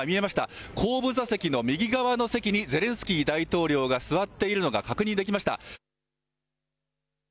後部座席の右側の席にゼレンスキー大統領が座っているのが確認できました。